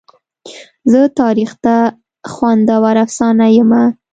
زه تاریخ ته خوندوره افسانه یمه.